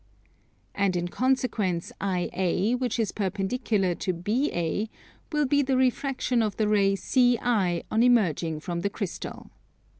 And in consequence IA, which is perpendicular to BA, will be the refraction of the ray CI on emerging from the crystal.